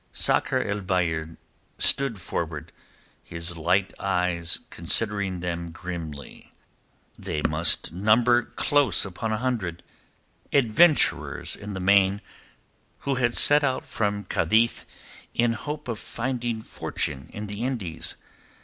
Sakr el Bahr stood forward, his light eyes considering them grimly. They must number close upon a hundred, adventurers in the main who had set out from Cadiz in high hope of finding fortune in the Indies.